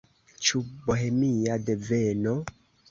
Ĉu bohemia deveno?